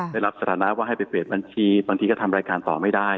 ได้รับสถานะว่าให้ไปเปลี่ยนบัญชีบางทีก็ทำรายการต่อไม่ได้